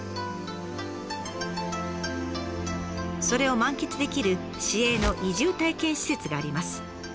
それを満喫できる市営の移住体験施設があります。